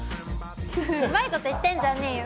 うまいこと言ってんじゃねえよ